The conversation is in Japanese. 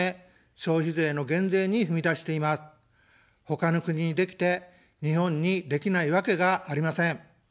他の国にできて、日本にできないわけがありません。